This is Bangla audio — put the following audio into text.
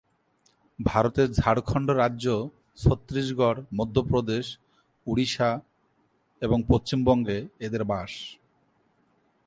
ভারতের ঝাড়খণ্ড রাজ্য, ছত্রিশগড়, মধ্যপ্রদেশ, ওড়িশা এবং পশ্চিমবঙ্গে এঁদের বাস।